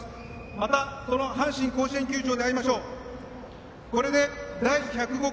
また阪神甲子園球場で会いましょう。